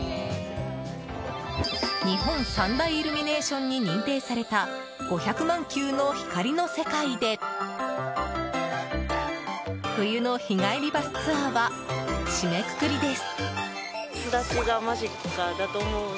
日本三大イルミネーションに認定された５００万球の光の世界で冬の日帰りバスツアーは締めくくりです。